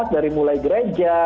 dari mulai gereja